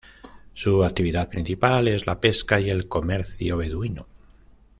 Su actividad principal es la pesca y el comercio beduino.